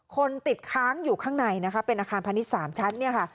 คนติดค้างอยู่ข้างในนะคะเป็นอาคารพาณิชย์๓ชั้นเนี่ยค่ะ